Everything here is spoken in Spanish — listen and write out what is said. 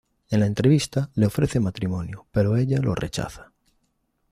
En la entrevista le ofrece matrimonio, pero ella lo rechaza.